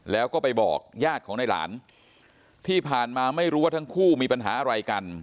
แล้วก็ไปบอกญาติของในหลานที่ผ่านมาไม่รู้ว่าทั้งคู่มีปัญหาอะไรกัน